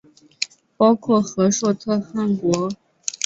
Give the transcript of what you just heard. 包括和硕特汗国。